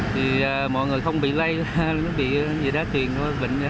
thì mọi người không bị lây nó bị gì đó thuyền bệnh